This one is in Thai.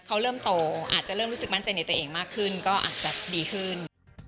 เขาเริ่มโตอาจจะเริ่มรู้สึกมั่นใจในตัวเองมากขึ้นก็อาจจะดีขึ้น